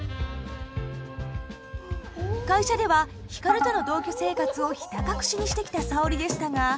会社では光との同居生活をひた隠しにしてきた沙織でしたが。